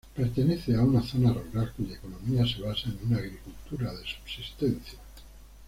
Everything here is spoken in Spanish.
Pertenece a una zona rural cuya economía se basa en una agricultura de subsistencia.